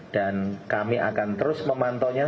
dan kami akan terus memantau nya